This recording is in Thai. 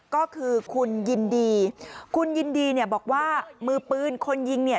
ก็คือคุณยินดีคุณยินดีเนี่ยบอกว่ามือปืนคนยิงเนี่ย